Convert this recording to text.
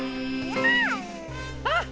あっ！